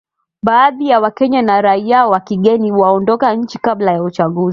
Baadhi ya Wakenya na raia wa kigeni waondoka nchi kabla ya uchaguzi